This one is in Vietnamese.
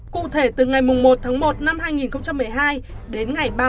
cụ thể từ ngày một tháng một năm hai nghìn một mươi hai đến ngày ba mươi tháng